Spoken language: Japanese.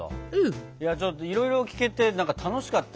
いやちょっといろいろ聞けてなんか楽しかった。